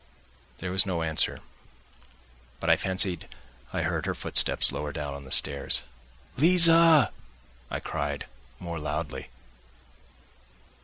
There was no answer, but I fancied I heard her footsteps, lower down on the stairs. "Liza!" I cried, more loudly.